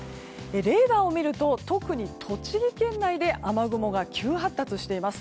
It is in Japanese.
レーダーを見ると特に栃木県内で雨雲が急発達しています。